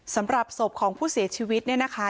สำหรับศพของผู้เสียชีวิตเนี่ยนะคะ